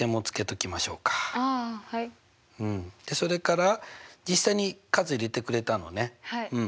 それから実際に数入れてくれたのねうん。